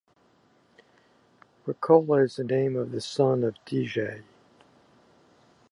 Rokola is a name of the son of Degei.